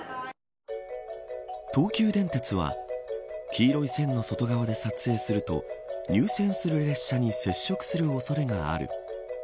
東急電鉄は黄色い線の外側で撮影すると入線する列車に接触する恐れがある。